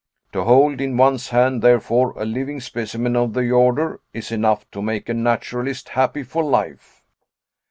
To hold in one's hand, therefore, a living specimen of the order, is enough to make a naturalist happy for life."